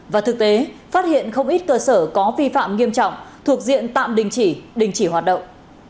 và thực tế phát hiện không ít cơ sở có vi phạm nghiêm trọng thuộc diện tạm đình chỉ đình chỉ hoạt động